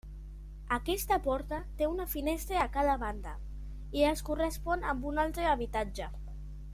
Aquesta porta té una finestra a cada banda, i es correspon amb un altre habitatge.